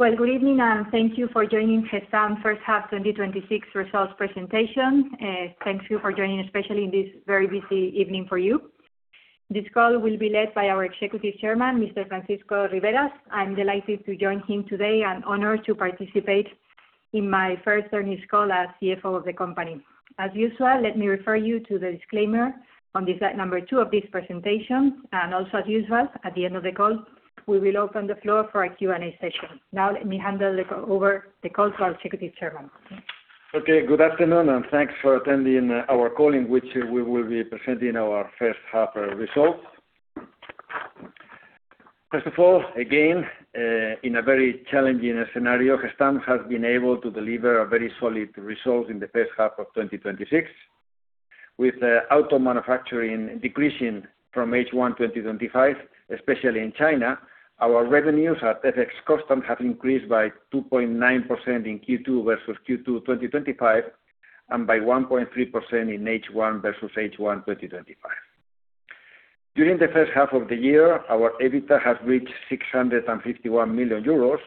Good evening, and thank you for joining Gestamp first half 2026 results presentation. Thank you for joining, especially in this very busy evening for you. This call will be led by our Executive Chairman, Mr. Francisco J. Riberas. I am delighted to join him today and honored to participate in my first earnings call as CFO of the company. As usual, let me refer you to the disclaimer on slide number two of this presentation. Also as usual, at the end of the call, we will open the floor for our Q&A session. Let me hand over the call to our Executive Chairman. Good afternoon, and thanks for attending our call in which we will be presenting our first half results. First of all, again, in a very challenging scenario, Gestamp has been able to deliver a very solid result in the first half of 2026. With auto manufacturing decreasing from H1 2025, especially in China, our revenues at FX constant have increased by 2.9% in Q2 versus Q2 2025 and by 1.3% in H1 versus H1 2025. During the first half of the year, our EBITDA has reached 651 million euros,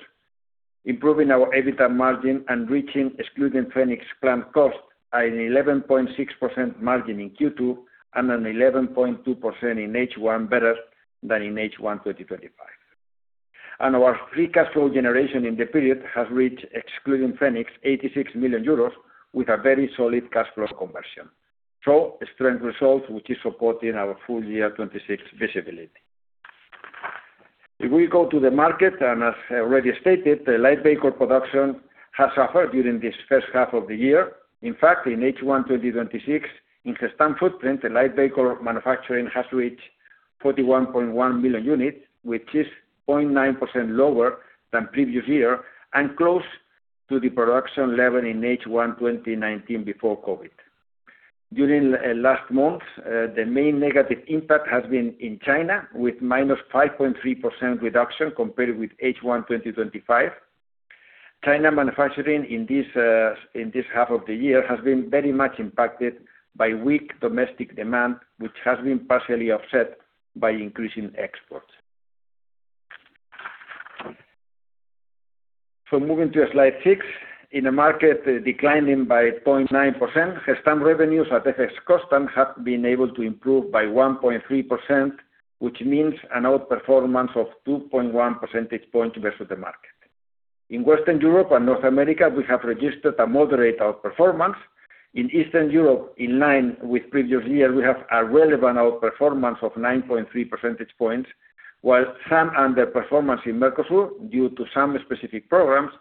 improving our EBITDA margin and reaching, excluding Phoenix Plan costs, an 11.6% margin in Q2 and an 11.2% in H1, better than in H1 2025. Our free cash flow generation in the period has reached, excluding Phoenix, 86 million euros with a very solid cash flow conversion. A strong result which is supporting our full year 2026 visibility. If we go to the market, as already stated, the light vehicle production has suffered during this first half of the year. In fact, in H1 2026, in Gestamp footprint, the light vehicle manufacturing has reached 41.1 million units, which is 0.9% lower than previous year and close to the production level in H1 2019 before COVID. During last month, the main negative impact has been in China, with -5.3% reduction compared with H1 2025. China manufacturing in this half of the year has been very much impacted by weak domestic demand, which has been partially offset by increasing exports. Moving to slide six. In a market declining by 0.9%, Gestamp revenues at FX constant have been able to improve by 1.3%, which means an outperformance of 2.1 percentage points versus the market. In Western Europe and North America, we have registered a moderate outperformance. In Eastern Europe, in line with previous year, we have a relevant outperformance of 9.3 percentage points, while some underperformance in Mercosur due to some specific programs,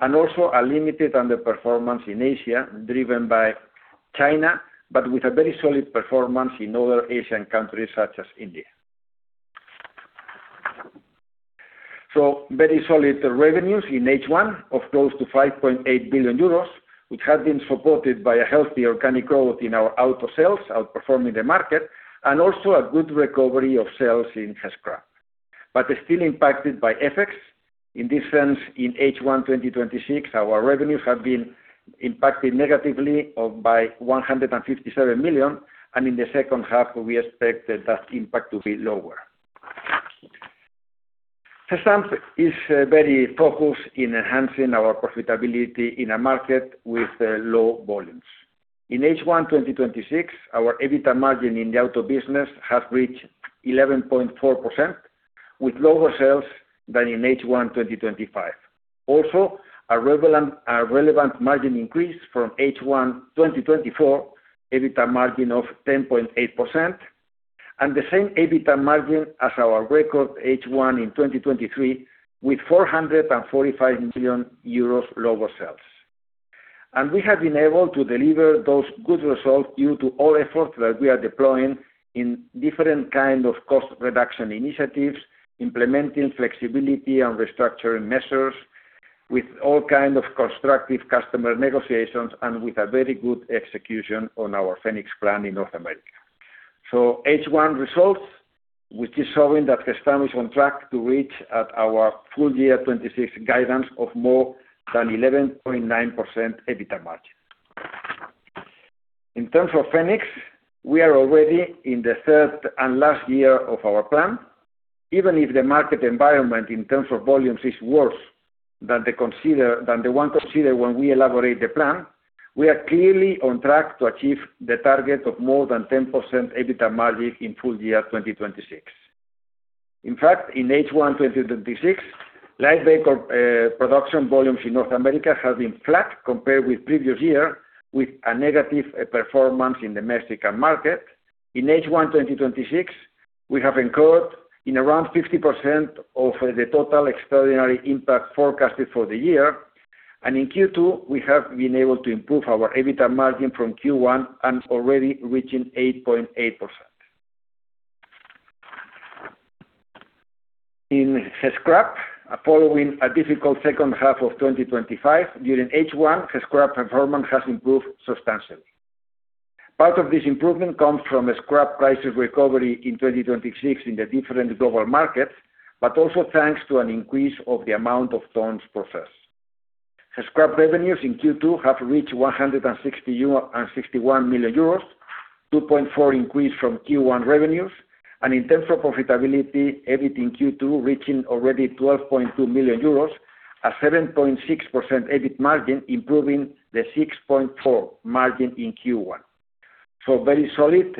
and also a limited underperformance in Asia, driven by China, but with a very solid performance in other Asian countries such as India. Very solid revenues in H1 of close to 5.8 billion euros, which have been supported by a healthy organic growth in our auto sales, outperforming the market, and also a good recovery of sales in Gescrap. Still impacted by FX. In this sense, in H1 2026, our revenues have been impacted negatively by 157 million. In the second half, we expect that impact to be lower. Gestamp is very focused in enhancing our profitability in a market with low volumes. In H1 2026, our EBITDA margin in the auto business has reached 11.4%, with lower sales than in H1 2025. A relevant margin increase from H1 2024 EBITDA margin of 10.8%, and the same EBITDA margin as our record H1 in 2023 with 445 million euros lower sales. We have been able to deliver those good results due to all efforts that we are deploying in different kind of cost reduction initiatives, implementing flexibility and restructuring measures with all kind of constructive customer negotiations, and with a very good execution on our Phoenix Plan in North America. H1 results, which is showing that Gestamp is on track to reach at our full year 2026 guidance of more than 11.9% EBITDA margin. In terms of Phoenix Plan, we are already in the third and last year of our plan. Even if the market environment in terms of volumes is worse than the one considered when we elaborate the plan, we are clearly on track to achieve the target of more than 10% EBITDA margin in full year 2026. In H1 2026, light vehicle production volumes in North America have been flat compared with previous year, with a negative performance in the Mexican market. In H1 2026, we have incurred in around 50% of the total extraordinary impact forecasted for the year, in Q2, we have been able to improve our EBITDA margin from Q1 and already reaching 8.8%. In Gescrap, following a difficult second half of 2025, during H1, Gescrap performance has improved substantially. Part of this improvement comes from a scrap crisis recovery in 2026 in the different global markets, also thanks to an increase of the amount of tons processed. Gescrap revenues in Q2 have reached 161 million euro, 2.4% increase from Q1 revenues. In terms of profitability, EBIT in Q2 reaching already 12.2 million euros, a 7.6% EBIT margin, improving the 6.4% margin in Q1. Very solid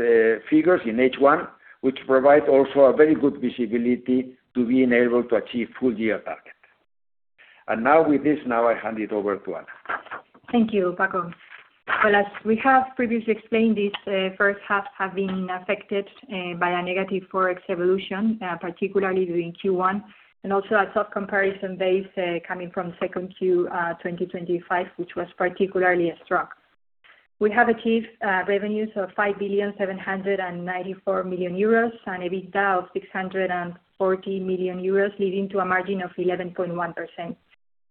figures in H1, which provide also a very good visibility to being able to achieve full year target. Now with this, I hand it over to Ana. Thank you, Francisco. As we have previously explained, this first half have been affected by a negative Forex evolution, particularly during Q1, also a tough comparison base coming from Q2 2025, which was particularly struck. We have achieved revenues of 5,794 million euros, EBITDA of 640 million euros, leading to a margin of 11.1%.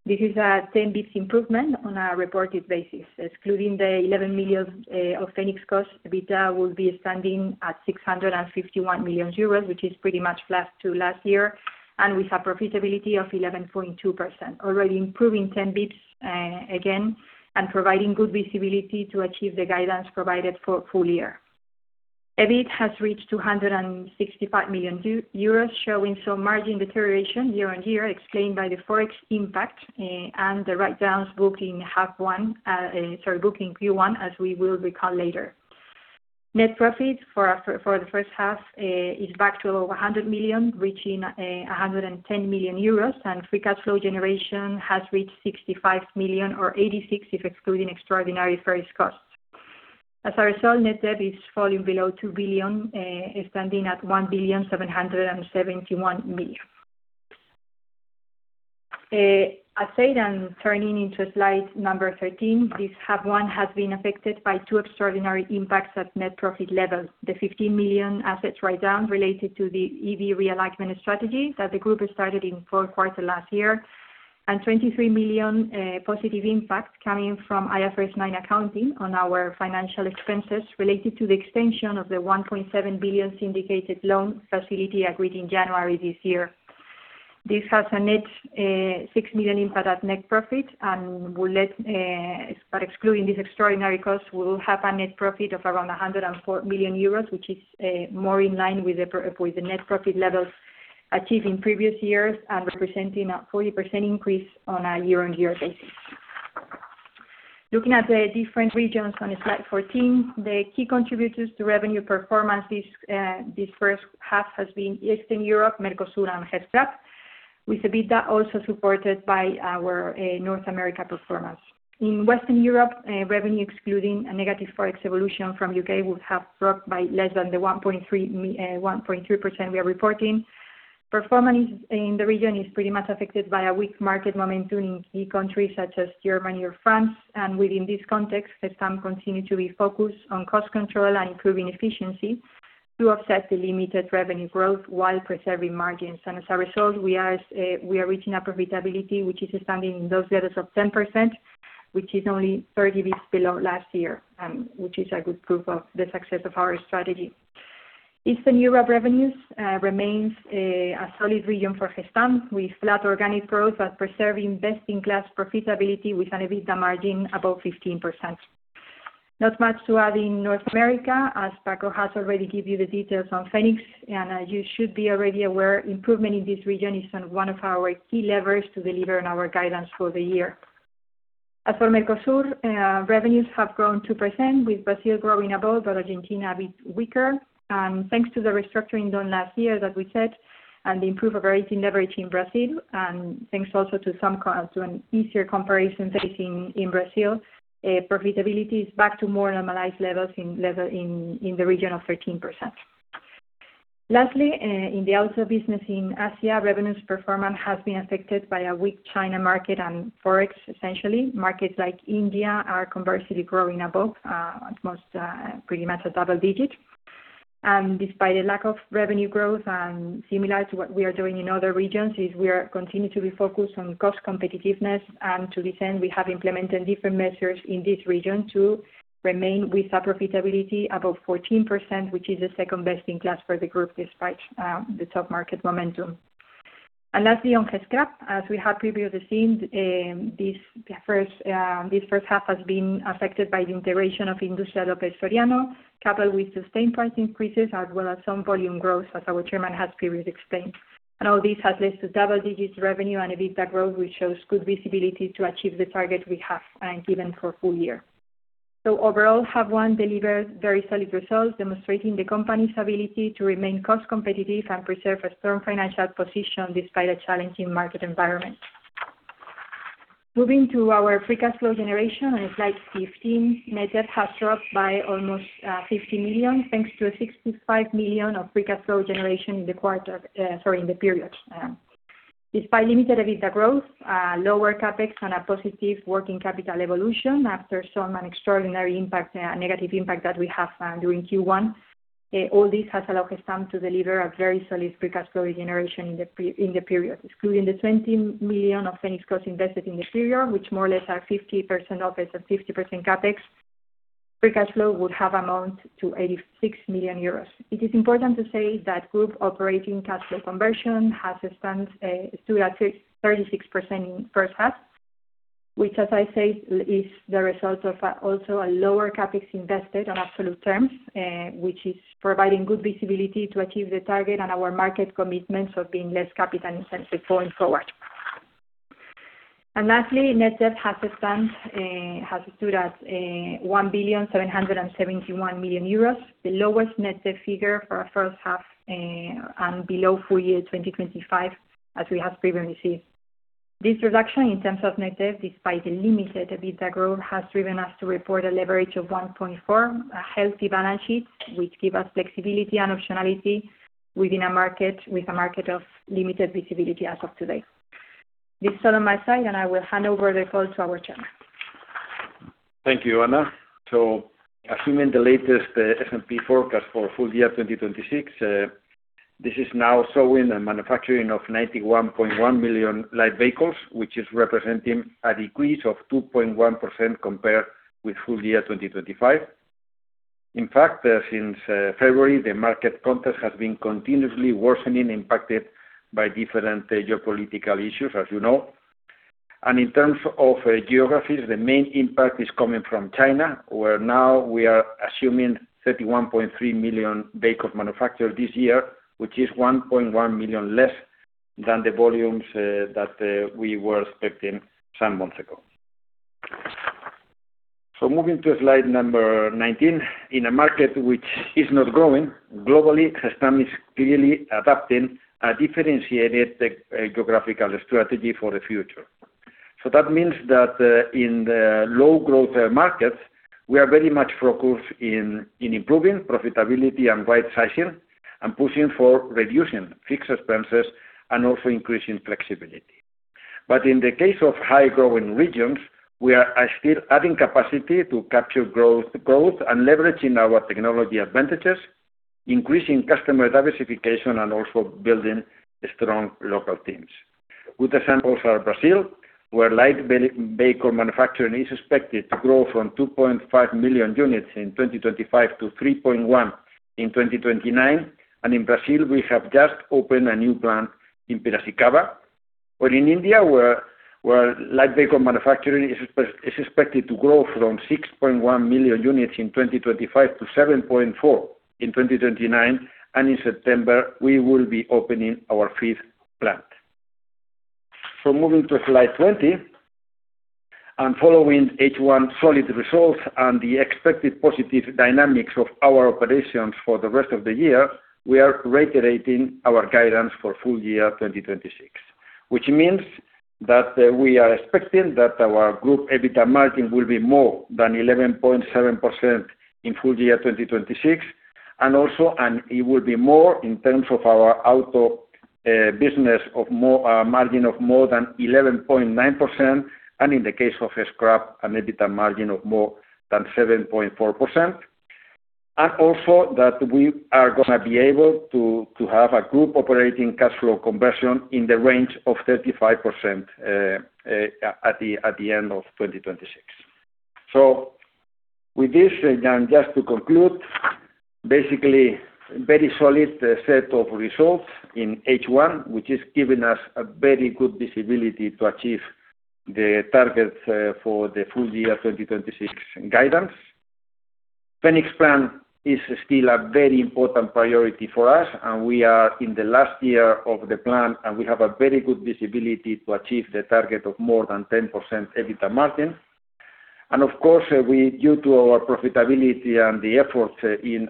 This is a 10 basis points improvement on a reported basis. Excluding the 11 million of Phoenix Plan cost, EBITDA will be standing at 651 million euros, which is pretty much flat to last year, with a profitability of 11.2%, already improving 10 basis points, again, providing good visibility to achieve the guidance provided for full year. EBIT has reached 265 million euros, showing some margin deterioration year-on-year, explained by the Forex impact, the write-downs book in Q1, as we will recall later. Net profit for the first half is back to over 100 million, reaching 110 million euros, and free cash flow generation has reached 65 million or 86 million if excluding extraordinary Phoenix costs. As a result, net debt is falling below 2 billion, standing at 1,771 million. Turning into slide number 13, this half one has been affected by two extraordinary impacts at net profit levels: the 15 million assets write-down related to the EV realignment strategy that the group started in fourth quarter last year, and 23 million positive impact coming from IFRS 9 accounting on our financial expenses related to the extension of the 1.7 billion syndicated loan facility agreed in January this year. This has a net 6 million impact at net profit. By excluding this extraordinary cost, we will have a net profit of around 104 million euros, which is more in line with the net profit levels achieved in previous years and representing a 40% increase on a year-on-year basis. Looking at the different regions on slide 14, the key contributors to revenue performance this first half has been Eastern Europe, Mercosur, and Gestamp, with EBITDA also supported by our North America performance. In Western Europe, revenue excluding a negative Forex evolution from U.K. would have dropped by less than the 1.3% we are reporting. Performance in the region is pretty much affected by a weak market momentum in key countries such as Germany or France. Within this context, Gestamp continued to be focused on cost control and improving efficiency to offset the limited revenue growth while preserving margins. As a result, we are reaching a profitability which is standing in those levels of 10%, which is only 30 basis points below last year, which is a good proof of the success of our strategy. Eastern Europe revenues remains a solid region for Gestamp with flat organic growth but preserving best-in-class profitability with an EBITDA margin above 15%. Not much to add in North America, as Francisco has already give you the details on Phoenix Plan. As you should be already aware, improvement in this region is one of our key levers to delivering our guidance for the year. As for Mercosur, revenues have grown 2% with Brazil growing above, but Argentina a bit weaker. Thanks to the restructuring done last year, as we said, the improved leverage in Brazil, and thanks also to an easier comparison facing in Brazil, profitability is back to more normalized levels in the region of 13%. Lastly, in the Auto business in Asia, revenues performance has been affected by a weak China market and Forex, essentially. Markets like India are conversely growing above, at almost pretty much a double digit. Despite a lack of revenue growth and similar to what we are doing in other regions, is we are continuing to be focused on cost competitiveness. To this end, we have implemented different measures in this region to remain with a profitability above 14%, which is the second best in class for the group despite the tough market momentum. Lastly, on Gestamp, as we have previously seen, this first half has been affected by the integration of Industrias López Soriano, coupled with sustained price increases as well as some volume growth as our Chairman has previously explained. All this has led to double-digit revenue and EBITDA growth, which shows good visibility to achieve the target we have given for full-year. Overall, half one delivered very solid results, demonstrating the company's ability to remain cost competitive and preserve a strong financial position despite a challenging market environment. Moving to our free cash flow generation on slide 15, net debt has dropped by almost 50 million, thanks to a 65 million of free cash flow generation in the period. Despite limited EBITDA growth, lower CapEx, and a positive working capital evolution after some extraordinary impact, a negative impact that we have during Q1, this has allowed Gestamp to deliver a very solid free cash flow generation in the period. Excluding the 20 million of Phoenix Plan costs invested in the period, which more or less are 50% OpEx and 50% CapEx, free cash flow would have amounted to 86 million euros. It is important to say that group operating cash flow conversion has stood at 36% in first half, which as I said, is the result of also a lower CapEx invested on absolute terms, which is providing good visibility to achieve the target and our market commitments of being less capital intensive going forward. Lastly, net debt has stood at 1,771 million euros, the lowest net debt figure for our first half, and below full-year 2025, as we have previously seen. This reduction in terms of net debt, despite the limited EBITDA growth, has driven us to report a leverage of 1.4x, a healthy balance sheet, which gives us flexibility and optionality with a market of limited visibility as of today. This is all on my side, I will hand over the call to our Chairman. Thank you, Ana. Assuming the latest S&P forecast for full-year 2026, this is now showing a manufacturing of 91.1 million light vehicles, which is representing a decrease of 2.1% compared with full-year 2025. In fact, since February, the market contest has been continuously worsening, impacted by different geopolitical issues, as you know. In terms of geographies, the main impact is coming from China, where now we are assuming 31.3 million vehicles manufactured this year, which is 1.1 million less than the volumes that we were expecting some months ago. Moving to slide number 19, in a market which is not growing, globally, Gestamp is clearly adapting a differentiated geographical strategy for the future. That means that in the low growth markets, we are very much focused in improving profitability and right-sizing, and pushing for reducing fixed expenses, and also increasing flexibility. In the case of high growing regions, we are still adding capacity to capture growth and leveraging our technology advantages, increasing customer diversification, and also building strong local teams. Good examples are Brazil, where light vehicle manufacturing is expected to grow from 2.5 million units in 2025 to 3.1 million units in 2029. In Brazil, we have just opened a new plant in Piracicaba. In India, where light vehicle manufacturing is expected to grow from 6.1 million units in 2025 to 7.4 million units in 2029. In September, we will be opening our fifth plant. Moving to slide 20, following H1 solid results and the expected positive dynamics of our operations for the rest of the year, we are reiterating our guidance for full year 2026, which means that we are expecting that our group EBITDA margin will be more than 11.7% in full year 2026. It will be more in terms of our auto business of a margin of more than 11.9%, and in the case of scrap, an EBITDA margin of more than 7.4%. Also that we are going to be able to have a group operating cash flow conversion in the range of 35% at the end of 2026. With this, and just to conclude, basically very solid set of results in H1, which has given us a very good visibility to achieve the targets for the full year 2026 guidance. Phoenix Plan is still a very important priority for us, and we are in the last year of the plan, and we have a very good visibility to achieve the target of more than 10% EBITDA margin. Of course, due to our profitability and the effort in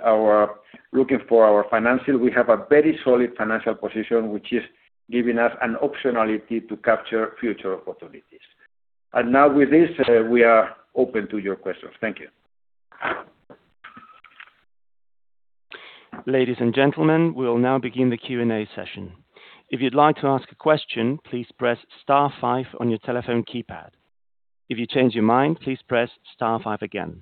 looking for our financial, we have a very solid financial position, which is giving us an optionality to capture future opportunities. Now with this, we are open to your questions. Thank you. Ladies and gentlemen, we will now begin the Q&A session. If you'd like to ask a question, please press star five on your telephone keypad. If you change your mind, please press star five again.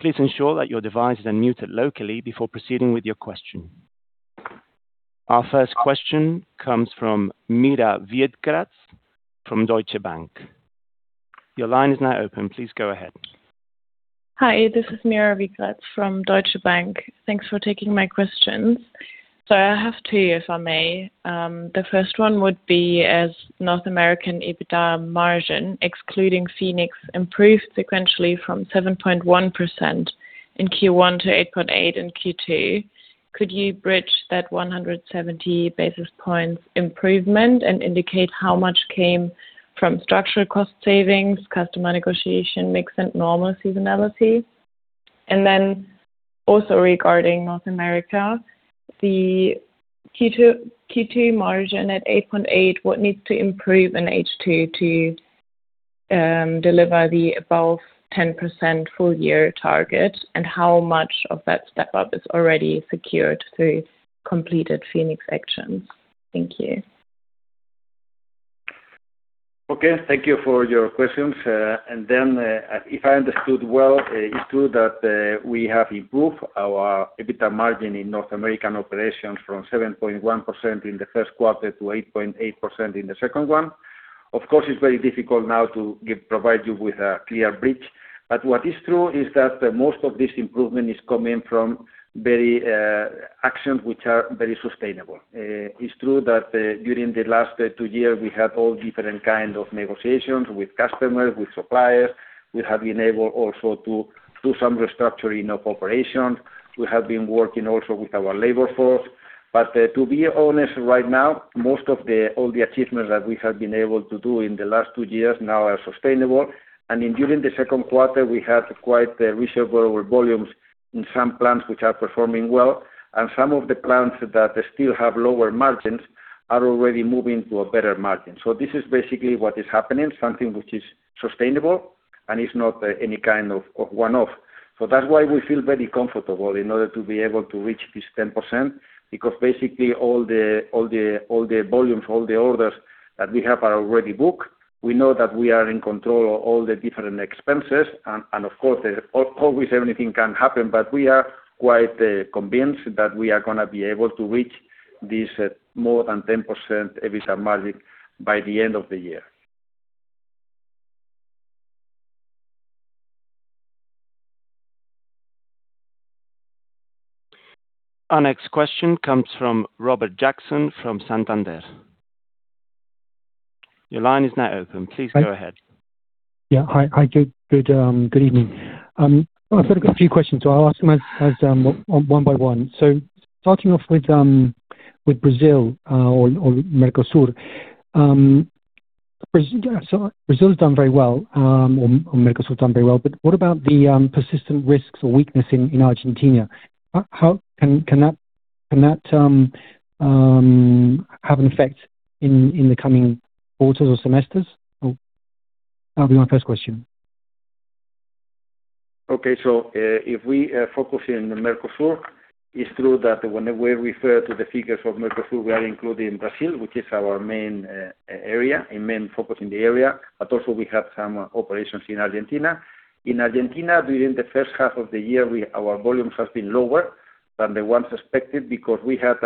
Please ensure that your devices are muted locally before proceeding with your question. Our first question comes from Mira Wiegratz from Deutsche Bank. Your line is now open. Please go ahead. Hi, this is Mira Wiegratz from Deutsche Bank. Thanks for taking my questions. I have two, if I may. The first one would be as North American EBITDA margin, excluding Phoenix, improved sequentially from 7.1% in Q1 to 8.8% in Q2. Could you bridge that 170 basis points improvement and indicate how much came from structural cost savings, customer negotiation mix, and normal seasonality? Also regarding North America, the Q2 margin at 8.8%, what needs to improve in H2 to deliver the above 10% full year target? How much of that step up is already secured through completed Phoenix actions? Thank you. Okay, thank you for your questions. If I understood well, it's true that we have improved our EBITDA margin in North American operations from 7.1% in the first quarter to 8.8% in the second one. Of course, it's very difficult now to provide you with a clear bridge. What is true is that most of this improvement is coming from actions which are very sustainable. It's true that during the last two years, we had all different kind of negotiations with customers, with suppliers. We have been able also to do some restructuring of operations. We have been working also with our labor force. To be honest, right now, most of all the achievements that we have been able to do in the last two years now are sustainable. During the second quarter, we had quite reasonable volumes in some plants which are performing well, and some of the plants that still have lower margins are already moving to a better margin. This is basically what is happening, something which is sustainable and is not any kind of one-off. That's why we feel very comfortable in order to be able to reach this 10%, because basically, all the volumes, all the orders that we have are already booked. We know that we are in control of all the different expenses, and of course, always anything can happen. We are quite convinced that we are going to be able to reach this more than 10% EBITDA margin by the end of the year. Our next question comes from Robert Jackson from Santander. Your line is now open. Please go ahead. Yeah. Hi, good evening. I've got a few questions. I'll ask them one by one. Starting off with Brazil or Mercosur. Brazil has done very well, or Mercosur has done very well. What about the persistent risks or weakness in Argentina? Can that have an effect in the coming quarters or semesters? That will be my first question. Okay. If we focus in Mercosur, it's true that whenever we refer to the figures for Mercosur, we are including Brazil, which is our main area and main focus in the area, but also we have some operations in Argentina. In Argentina, during the first half of the year, our volumes have been lower than the ones expected because we had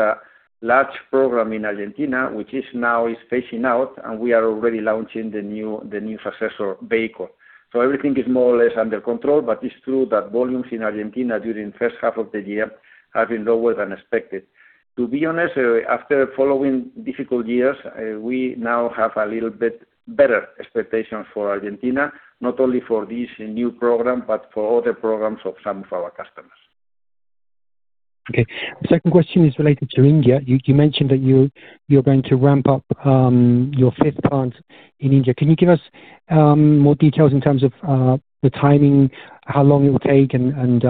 a large program in Argentina, which now is phasing out, and we are already launching the new successor vehicle. Everything is more or less under control, but it's true that volumes in Argentina during the first half of the year have been lower than expected. To be honest, after following difficult years, we now have a little bit better expectations for Argentina, not only for this new program, but for other programs of some of our customers. Okay. The second question is related to India. You mentioned that you're going to ramp up your fifth plant in India. Can you give us more details in terms of the timing, how long it will take and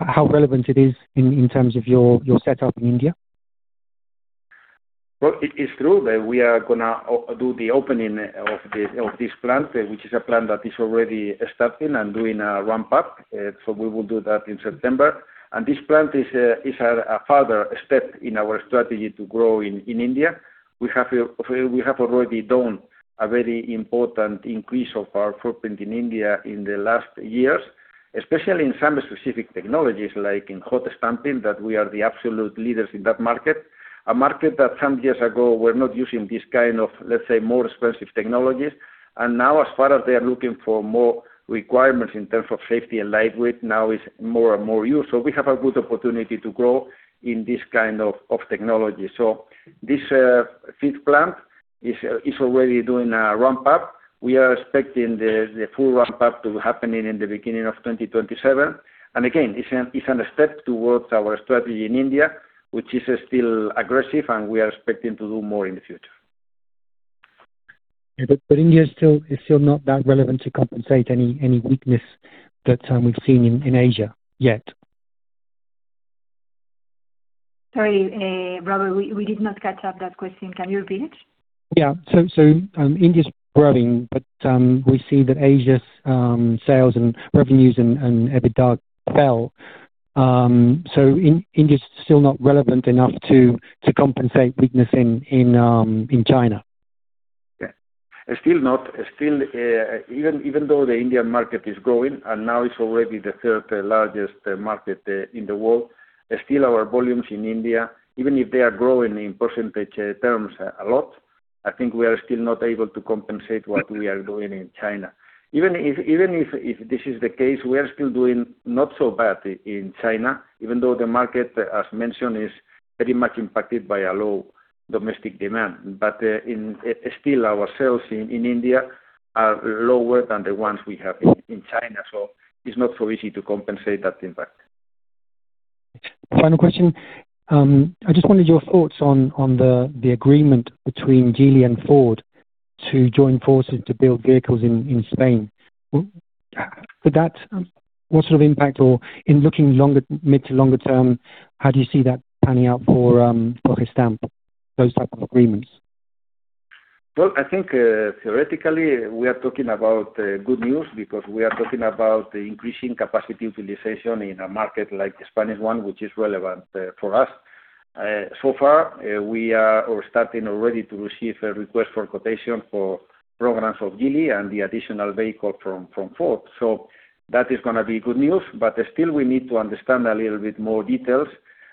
how relevant it is in terms of your setup in India? Well, it is true that we are going to do the opening of this plant, which is a plant that is already starting and doing a ramp-up. We will do that in September. This plant is a further step in our strategy to grow in India. We have already done a very important increase of our footprint in India in the last years, especially in some specific technologies, like in hot stamping, that we are the absolute leaders in that market. A market that some years ago were not using this kind of, let's say, more expensive technologies. Now, as far as they are looking for more requirements in terms of safety and lightweight, now is more and more used. We have a good opportunity to grow in this kind of technology. This fifth plant is already doing a ramp-up. We are expecting the full ramp-up to happen in the beginning of 2027. Again, it's a step towards our strategy in India, which is still aggressive, and we are expecting to do more in the future. India is still not that relevant to compensate any weakness that we've seen in Asia yet. Sorry, Robert, we did not catch up that question. Can you repeat it? India's growing, but we see that Asia's sales and revenues and EBITDA fell. India's still not relevant enough to compensate weakness in China. Yeah. Still not. Even though the Indian market is growing, and now it is already the third largest market in the world, still our volumes in India, even if they are growing in percentage terms a lot, I think we are still not able to compensate what we are doing in China. Even if this is the case, we are still doing not so bad in China, even though the market, as mentioned, is very much impacted by a low domestic demand. Still our sales in India are lower than the ones we have in China, so it is not so easy to compensate that impact. Final question. I just wanted your thoughts on the agreement between Geely Auto and Ford to join forces to build vehicles in Spain. What sort of impact, or in looking mid to longer term, how do you see that panning out for Gestamp, those type of agreements? Well, I think theoretically, we are talking about good news because we are talking about increasing capacity utilization in a market like the Spanish one, which is relevant for us. Far, we are starting already to receive a request for quotation for programs of Geely Auto and the additional vehicle from Ford. That is going to be good news, but still we need to understand a little bit more details.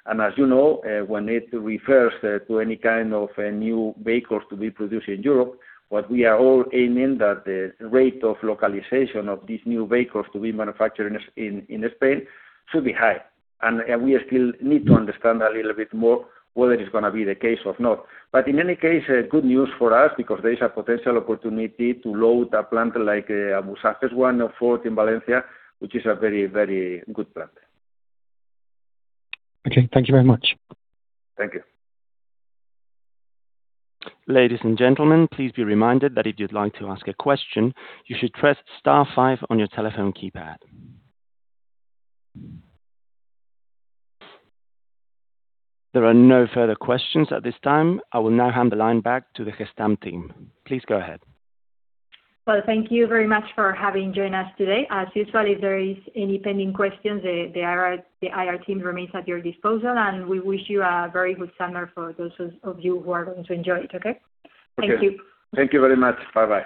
As you know, when it refers to any kind of new vehicles to be produced in Europe, what we are all aiming that the rate of localization of these new vehicles to be manufactured in Spain should be high. We still need to understand a little bit more whether it is going to be the case or not. In any case, good news for us because there is a potential opportunity to load a plant like an Almussafes one of Ford in Valencia, which is a very good plant. Okay. Thank you very much. Thank you. Ladies and gentlemen, please be reminded that if you'd like to ask a question, you should press star five on your telephone keypad. There are no further questions at this time. I will now hand the line back to the Gestamp team. Please go ahead. Well, thank you very much for having joined us today. As usual, if there is any pending questions, the IR team remains at your disposal. We wish you a very good summer for those of you who are going to enjoy it. Okay? Thank you. Thank you very much. Bye-bye.